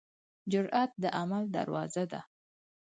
جرئت د عمل دروازه ده.